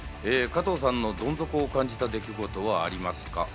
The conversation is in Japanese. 加藤さんのどん底を感じた出来事はありますか？